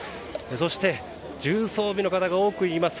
そして、重装備の方が多くいます。